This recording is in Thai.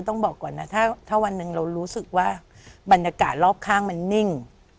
ถ้าวันหนึ่งเรารู้สึกว่าบรรยากาศรอบข้างมันนิ่ง